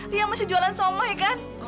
dia masih jualan somai kan